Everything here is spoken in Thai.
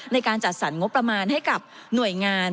ในการจัดสรรงบประมาณให้กับหน่วยงาน